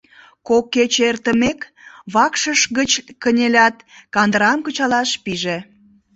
Кок кече эртымек, вакшыш гыч кынелят, кандырам кычалаш пиже.